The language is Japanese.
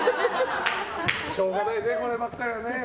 しょうがないねこればっかりはね。